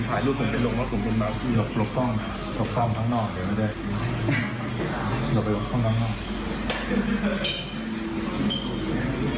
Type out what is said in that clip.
ถ่ายรูปผมไปลงผมเป็นมาร์เฟียร์